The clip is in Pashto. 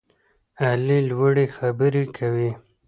علي لوړې خبرې کوي.